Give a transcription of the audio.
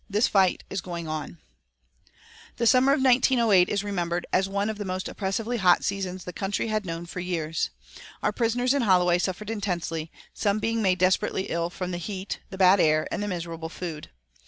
This fight is going on." The summer of 1908 is remembered as one of the most oppressively hot seasons the country had known for years. Our prisoners in Holloway suffered intensely, some being made desperately ill from the heat, the bad air, and the miserable food.